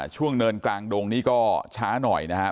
เนินกลางดงนี่ก็ช้าหน่อยนะครับ